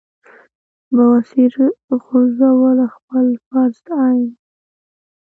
بواسير غورزول خپل فرض عېن ګڼي -